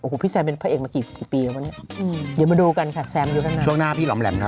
โอ้โหพี่แซมเป็นพระเอกมากี่ปีหรือเปล่า